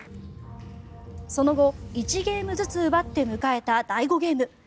その後、１ゲームずつ奪って迎えた第５ゲーム。